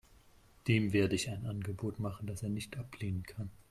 Dem werde ich ein Angebot machen, das er nicht ablehnen kann.